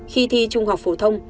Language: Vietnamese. khi thi trung học phổ thông